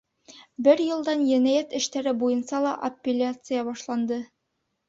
Бер йылдан енәйәт эштәре буйынса ла апелляция башланды.